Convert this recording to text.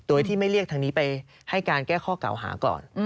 โดยที่ไม่เรียกทางนี้ไปให้การแก้ข้อเก่าหาก่อน